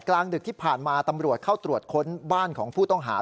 กลางดึกที่ผ่านมาตำรวจเข้าตรวจค้นบ้านของผู้ต้องหา